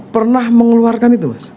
pernah mengeluarkan itu mas